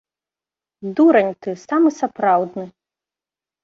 Дурань ты, самы сапраўдны.